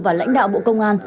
và lãnh đạo bộ công an